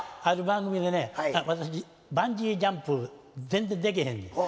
ある番組でね私バンジージャンプ全然できへんで。